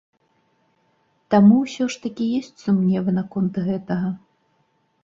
Таму ўсё ж такі ёсць сумневы наконт гэтага.